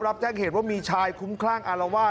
รับแจ้งเหตุว่ามีชายคุ้มคลั่งอารวาส